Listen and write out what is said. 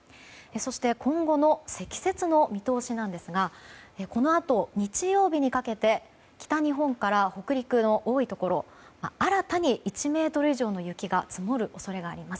そして、今後の積雪の見通しなんですがこのあと日曜日にかけて北日本から北陸の多いところ新たに１ｍ以上の雪が積もる恐れがあります。